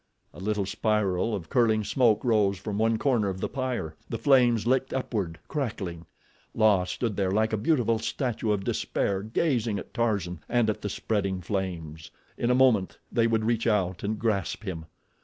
A little spiral of curling smoke rose from one corner of the pyre—the flames licked upward, crackling. La stood there like a beautiful statue of despair gazing at Tarzan and at the spreading flames. In a moment they would reach out and grasp him.